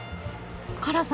辛さ